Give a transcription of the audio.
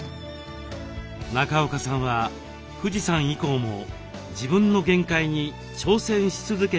中岡さんは富士山以降も自分の限界に挑戦し続けています。